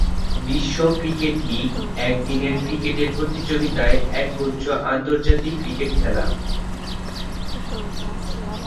বিশ্ব cricket league একদিনের cricket প্রতিযোগিতার একগুচ্ছ আন্তর্জাতিক ক্রিকেট খেলা।